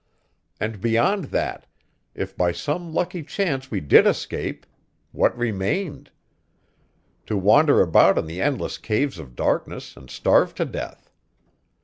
And beyond that if by some lucky chance we did escape what remained? To wander about in the endless caves of darkness and starve to death.